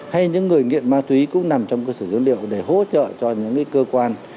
hay những người nghiện ma túy cũng nằm trong cơ sở dữ liệu để hỗ trợ cho những cơ quan